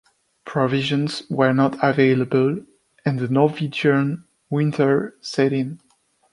Provisions were not available, and the Norwegian winter set in.